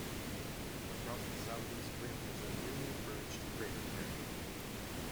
Across the southeast rim is a nearly merged crater pair.